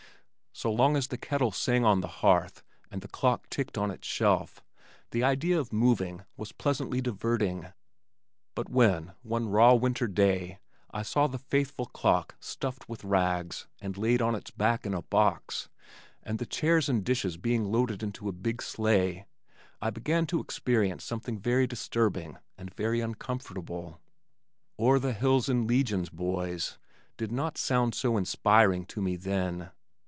So long as the kettle sang on the hearth and the clock ticked on its shelf, the idea of "moving" was pleasantly diverting, but when one raw winter day I saw the faithful clock stuffed with rags and laid on its back in a box, and the chairs and dishes being loaded into a big sleigh, I began to experience something very disturbing and very uncomfortable. "O'er the hills in legions, boys," did not sound so inspiring to me then.